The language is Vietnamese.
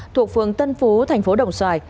thuộc phường tân phú thành phố đồng xoài